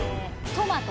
トマト？